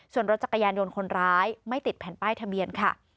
ส่วนรถจักรยานยนต์คนร้ายไม่ติดแผ่นป้ายทะเบียนค่ะ